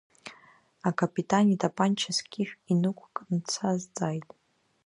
Акапитан итапанча сқьышә инықәкны дсазҵааит…